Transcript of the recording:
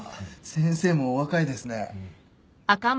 先生もお若いですね。